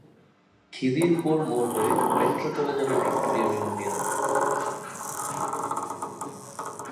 খিদিরপুর মোড় হয়ে মেট্রো চলে যাবে ভিক্টোরিয়া মেমোরিয়াল।